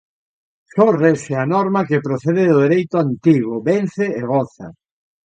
Só rexe a norma que procede do dereito antigo: «Vence e goza».